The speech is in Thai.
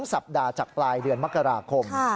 สัปดาห์จากปลายเดือนมกราคม